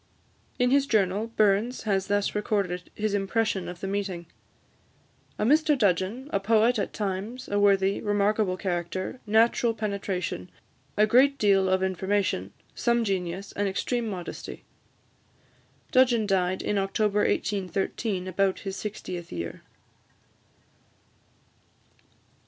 In his journal, Burns has thus recorded his impression of the meeting: "A Mr Dudgeon, a poet at times, a worthy, remarkable character, natural penetration, a great deal of information, some genius, and extreme modesty." Dudgeon died in October 1813, about his sixtieth year.